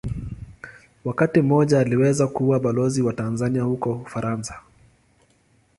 Wakati mmoja aliweza kuwa Balozi wa Tanzania huko Ufaransa.